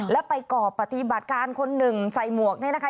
แล้วไปก่อปฏิบัติการคนหนึ่งใส่หมวกเนี่ยนะคะ